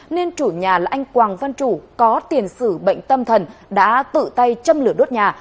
nên chủ nhà là anh quang văn chủ có tiền sử bệnh tâm thần đã tự tay châm lửa đốt nhà